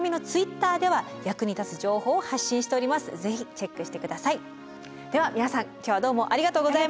ぜひチェックして下さい。